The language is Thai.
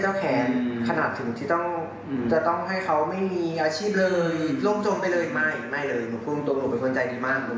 หนูบอกแค่ว่าถ้าจะเลือกทุเรียนคือเลือกหลาน